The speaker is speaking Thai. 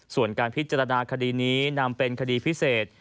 ส่วนการพิจารณาคดีนี้นำเป็นคดีพิเศษ